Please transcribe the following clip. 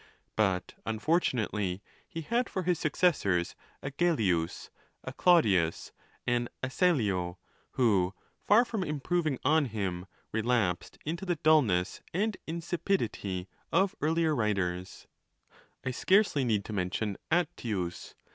. But unfortunately he had for his successors a Gellius, a Claudius, an Asellio, who, far from improving on him, relapsed into the dulness and insipidity of earlier writers. I scarcely need to mention Attius.